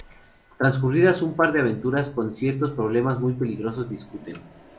Transcurridas un par de aventuras con ciertos problemas muy peligrosos, discuten.